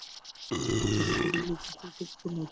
আদিত্য দেখলে ঠোঁট নড়ছে।